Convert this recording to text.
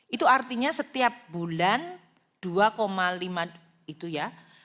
itu artinya setiap bulan dua lima itu ya